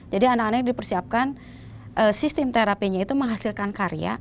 jadi anak anak ini dipersiapkan sistem terapinya itu menghasilkan karya